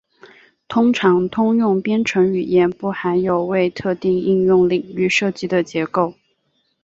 通常通用编程语言不含有为特定应用领域设计的结构。